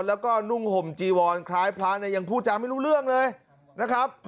แล้วก็นุ่งห่มจีวอนคล้ายพระเนี่ยยังพูดจาไม่รู้เรื่องเลยนะครับ